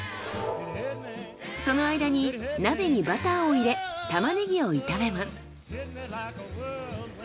その間に鍋にバターを入れタマネギを炒めます。